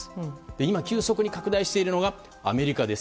今、急速に拡大しているのがアメリカです。